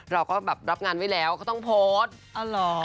เราก็แบบรับงานไว้แล้วเขาต้องโพสต์